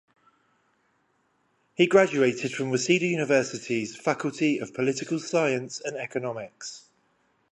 He graduated from Waseda University's Faculty of Political Science and Economics.